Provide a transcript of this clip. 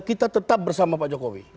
kita tetap bersama pak jokowi